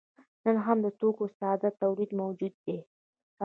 نن هم د توکو ساده تولید موجود دی.